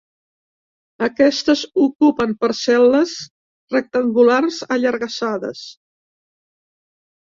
Aquestes ocupen parcel·les rectangulars allargassades.